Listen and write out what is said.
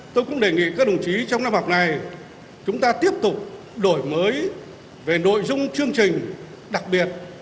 tôi cũng đề nghị các đồng chí trong năm học này chúng ta tiếp tục đổi mới về nội dung chương trình đặc biệt